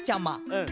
うん。